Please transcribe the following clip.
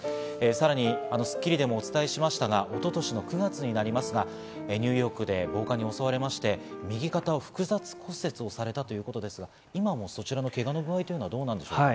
さらに『スッキリ』でもお伝えしましたが、一昨年の９月、ニューヨークで暴漢に襲われまして、右肩を複雑骨折されたということですが、今、そちらのけがの具合はいかがですか？